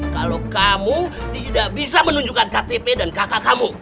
kalau kamu tidak bisa menunjukkan ktp dan kakak kamu